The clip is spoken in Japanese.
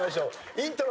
イントロ。